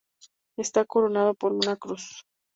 Está coronado por una Cruz.